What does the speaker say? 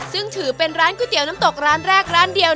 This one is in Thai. ซึ่งถือเป็นร้านก๋วยเตี๋ยวน้ำตกร้านแรกร้านเดียว